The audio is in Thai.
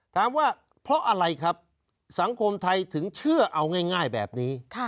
ถามว่าเพราะอะไรครับสังคมไทยถึงเชื่อเอาง่ายแบบนี้